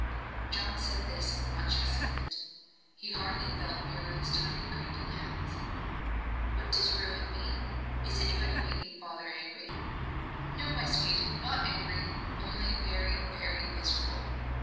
John said this in much excitement. He hardly felt Muriel's tiny creeping hands. "What does 'ruin' mean? Is anybody making father angry?" "No, my sweet not angry only very, very miserable!"